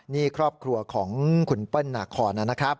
นี่ครอบครัวของคุณเปิ้ลนาคอนนะครับ